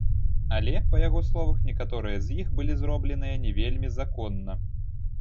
Але, па яго словах, некаторыя з іх былі зробленыя не вельмі законна.